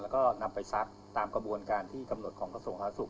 แล้วก็นำไปซักตามกระบวนการที่กำหนดของกระทรวงสาธารสุข